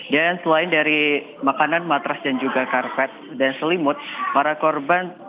dan selain dari makanan matras dan juga karpet dan selimut para korban